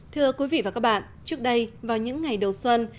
thưa quý vị và các bạn trước đây vào những ngày đầu xuân